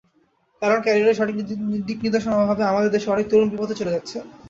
কারণ, ক্যারিয়ারের সঠিক দিকনির্দেশনার অভাবে আমাদের দেশের অনেক তরুণ বিপথে চলে যাচ্ছেন।